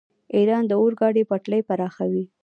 ایران د اورګاډي پټلۍ پراخوي.